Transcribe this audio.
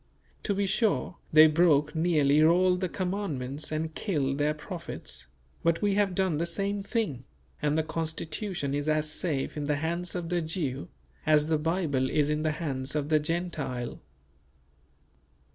To be sure, they broke nearly all the Commandments and killed their prophets; but we have done the same thing; and the Constitution is as safe in the hands of the Jew, as the Bible is in the hands of the Gentile.